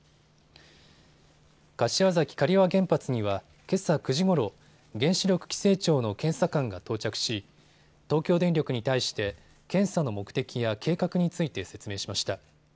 柏崎刈羽原発にはけさ９時ごろ、原子力規制庁の検査官が到着し東京電力に対して検査の目的や計画について説明しました。